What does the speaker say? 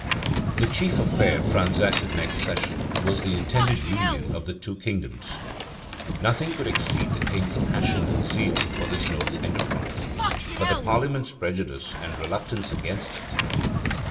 The chief affair transacted next session, was the intended union of the two kingdoms.[] Nothing could exceed the king's passion and zeal for this noble enterprise, but the parliament's prejudice and reluctance against it.